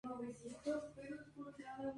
Con resolución No.